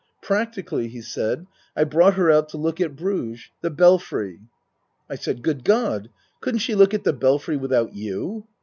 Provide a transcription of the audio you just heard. " Practically," he said, " I brought her out to look at Bruges the Belfry." I said :" Good God ! Couldn't she look at the Belfry without you